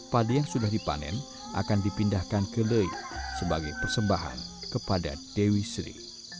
pade yang sudah dipanen akan dipindahkan ke lei sebagai persembahan kepada dewi sri